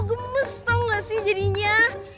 gemes tau gak sih jadinya